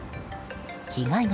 被害額